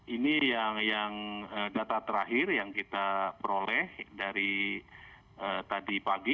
ini yang data terakhir yang kita peroleh dari tadi pagi